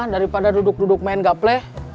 daripada duduk duduk main gaple